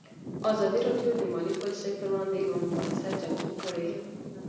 ازادي راډیو د مالي پالیسي پر وړاندې یوه مباحثه چمتو کړې.